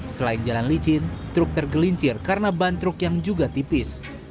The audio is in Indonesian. selain jalan licin truk tergelincir karena ban truk yang juga tipis